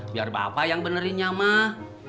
biar bapak yang benerin ya mah